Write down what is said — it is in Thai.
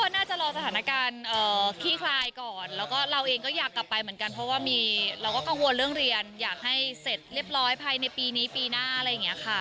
น่าจะรอสถานการณ์ขี้คลายก่อนแล้วก็เราเองก็อยากกลับไปเหมือนกันเพราะว่ามีเราก็กังวลเรื่องเรียนอยากให้เสร็จเรียบร้อยภายในปีนี้ปีหน้าอะไรอย่างนี้ค่ะ